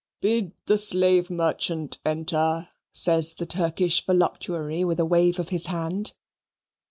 "Bid the slave merchant enter," says the Turkish voluptuary with a wave of his hand.